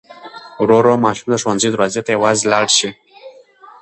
ورو ورو ماشوم د ښوونځي دروازې ته یوازې لاړ شي.